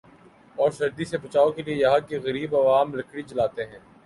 اور سردی سے بچائو کے لئے یہاں کے غریب عوام لکڑی جلاتے ہیں ۔